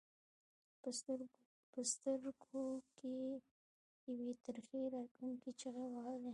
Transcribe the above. په سترګو کې یې یوې ترخې راتلونکې چغې وهلې.